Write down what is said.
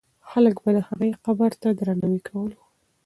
خلک به د هغې قبر ته درناوی کوله.